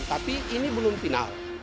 tapi ini belum final